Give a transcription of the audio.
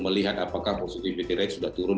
melihat apakah positivity rate sudah turun